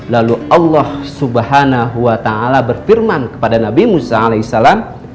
lalu allah subhanahu wa ta'ala berfirman kepada nabi musa alaihissalam